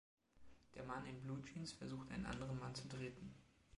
Der Mann in Bluejeans versucht einen anderen Mann zu treten.